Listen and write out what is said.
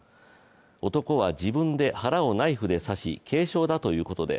男は自分で腹をナイフで刺し、軽傷だということで